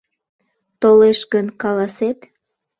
Толеш гын, каласет?